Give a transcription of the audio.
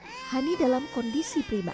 menurut dokter hani dalam kondisi prima